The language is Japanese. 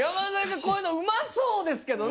こういうのうまそうですけどね。